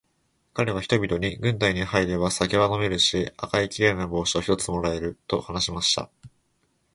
かれは人々に、軍隊に入れば酒は飲めるし、赤いきれいな帽子を一つ貰える、と話しました。